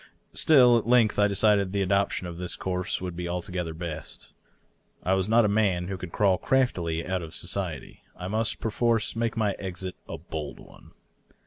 Still, I at length decided, the adoption of this course would be altogether best. I was not a man who could crawl crafl:ily out of society ; I must perforce make my exit a bold one.